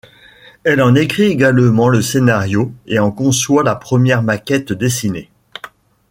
Elle en écrit également le scénario et en conçoit la première maquette dessinée.